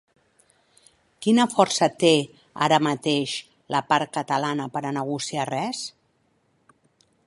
Quina força té, ara mateix, la part catalana per a negociar res?